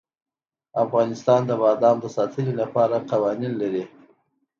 افغانستان د بادام د ساتنې لپاره قوانین لري.